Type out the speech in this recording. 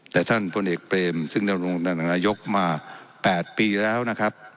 แต่ท่านพลเอกเบรมซึ่งนายโยคมา๘ปีแล้วนะครับ